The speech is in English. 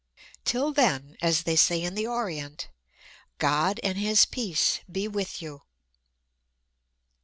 Till then, as they say in the Orient, God and His peace be with you!